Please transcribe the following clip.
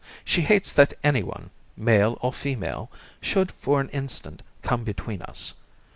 She hates that anyone male or female should for an instant come between us.